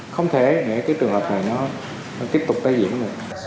không thể để cái trường hợp này nó tiếp tục tái diễn luôn